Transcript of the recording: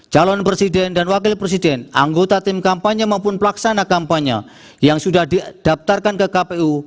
calon presiden dan wakil presiden anggota tim kampanye maupun pelaksana kampanye yang sudah didaftarkan ke kpu